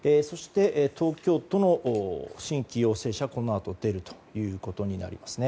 そして、東京都の新規陽性者がこのあと出るということです。